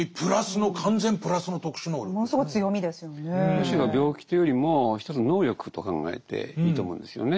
むしろ「病気」というよりも一つの「能力」と考えていいと思うんですよね。